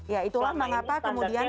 ya itulah mengapa kemudian